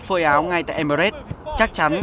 phơi áo ngay tại emirates chắc chắn